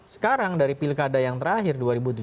sekarang dari pilkada yang terakhir dua ribu tujuh belas